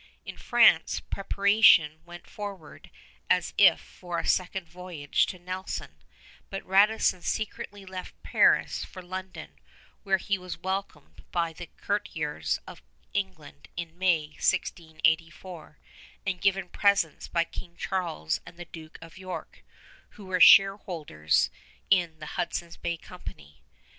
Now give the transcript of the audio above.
In France, preparation went forward as if for a second voyage to Nelson; but Radisson secretly left Paris for London, where he was welcomed by the courtiers of England in May, 1684, and given presents by King Charles and the Duke of York, who were shareholders in the Hudson's Bay Company.